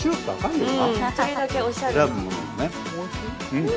うん。